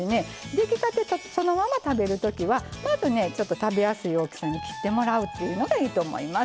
出来たてそのまま食べるときはまずね食べやすい大きさに切ってもらうというのがいいと思います。